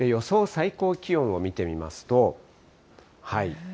最高気温を見てみますと。